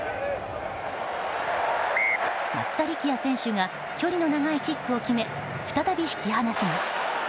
松田力也選手が距離の長いキックを決め再び引き離します。